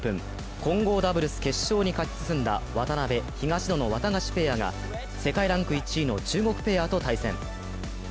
混合ダブルス決勝に勝ち進んだ渡辺・東野のワタガシペアが世界ランク１位の中国ペアと対戦。